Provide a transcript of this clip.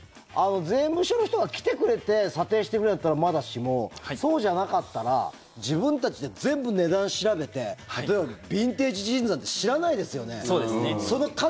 税務署の人が来てくれて査定してくれるならまだしもそうじゃなかったら自分たちで全部値段調べて例えばビンテージジーンズなんて知らないですよね。